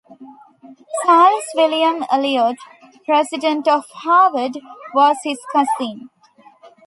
Charles William Eliot, president of Harvard, was his cousin.